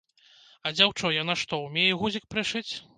А дзяўчо, яна што, умее гузік прышыць?